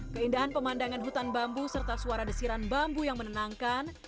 keindahan pemandangan hutan bambu serta suara desiran bambu yang menenangkan